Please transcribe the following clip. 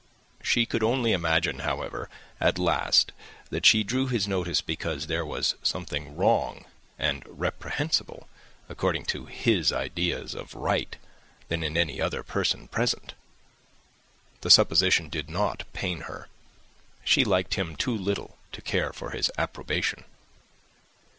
She could only imagine, however, at last, that she drew his notice because there was something about her more wrong and reprehensible, according to his ideas of right, than in any other person present. The supposition did not pain her. She liked him too little to care for his approbation.